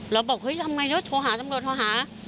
เราบอกเฮ้ยทำไงเนอะโทรหาตำรวจโทรหา